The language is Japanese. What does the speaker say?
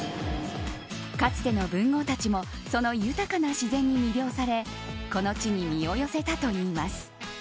かつての文豪たちもその豊かな自然に魅了されこの地に身を寄せたといいます。